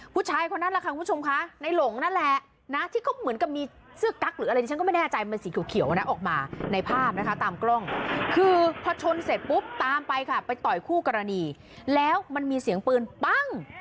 ผู้ชมพอชนเสร็จปุ๊บตามไปค่ะไปต่อยคู่กรณีแล้วมันมีเสียงปืนบั้ง